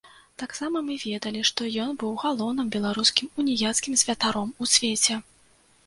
Таксама мы ведалі, што ён быў галоўным беларускім уніяцкім святаром у свеце.